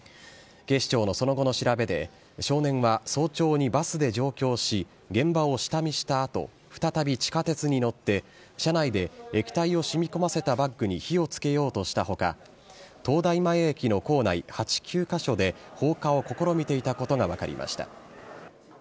警視庁のその後の調べで、少年は早朝にバスで上京し、現場を下見したあと、再び地下鉄に乗って、車内で液体をしみこませたバッグに火をつけようとしたほか、東大前駅の構内８、９か所で放火を試みていたことが分かりました。